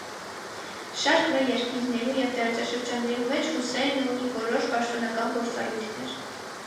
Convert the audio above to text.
Շարք մը երկիրներու եւ տարածաշրջաններու մէջ ռուսերէնը ունի որոշ պաշտօնական գործառոյթներ։